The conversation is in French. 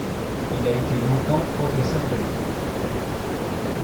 Il a été longtemps professeur de lettres.